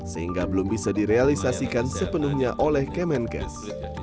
sehingga belum bisa direalisasikan sepenuhnya oleh kemenkes